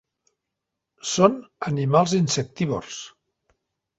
Són animals insectívors.